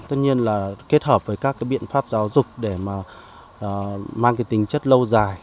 tất nhiên là kết hợp với các biện pháp giáo dục để mang tính chất lâu dài